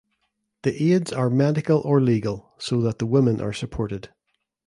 The aids are medical or legal so that the women are supported.